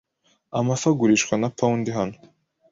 Amafi agurishwa na pound hano.